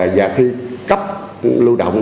và khi cấp lưu động